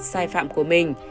sai phạm của mình